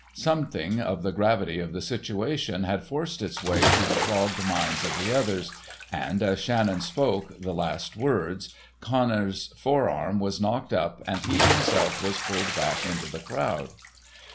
Something of the gravity of the situation had forced its way through the clogged minds of the others, and, as Shannon spoke the last words, Connors's fore arm was knocked up and he himself was pulled back into the crowd.